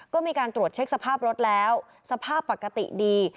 ก็มีการตรวจเช็คสภาพรถแล้วสภาพปกติดี